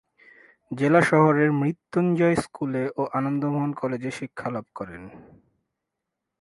জেলা শহরের মৃত্যুঞ্জয় স্কুলে ও আনন্দমোহন কলেজে শিক্ষালাভ করেন।